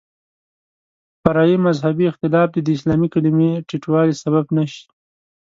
فرعي مذهبي اختلاف دې د اسلامي کلمې ټیټوالي سبب نه شي.